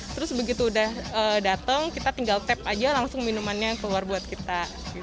terus begitu udah dateng kita tinggal tap aja langsung minumannya keluar buat kita